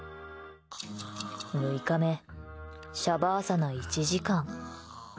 ６日目、シャバーサナ１時間。